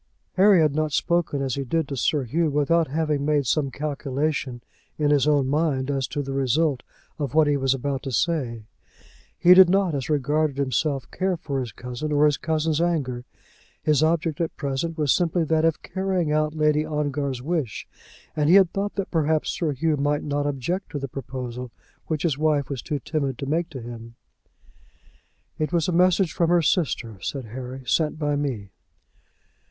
Harry had not spoken as he did to Sir Hugh without having made some calculation in his own mind as to the result of what he was about to say. He did not, as regarded himself, care for his cousin or his cousin's anger. His object at present was simply that of carrying out Lady Ongar's wish, and he had thought that perhaps Sir Hugh might not object to the proposal which his wife was too timid to make to him. "It was a message from her sister," said Harry, "sent by me."